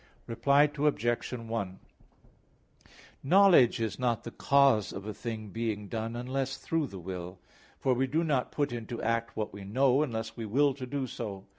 Reply Obj. 1: Knowledge is not the cause of a thing being done, unless through the will. For we do not put into act what we know, unless we will to do so.